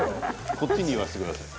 こっちに言わせてください。